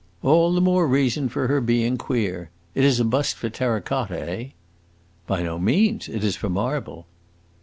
"All the more reason for her being queer! It is a bust for terra cotta, eh?" "By no means; it is for marble."